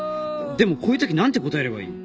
でもこういうとき何て答えればいい？